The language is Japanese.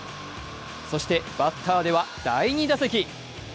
そしてバッターでは第２打席。